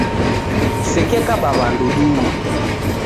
Kusekekaba w'andu duhu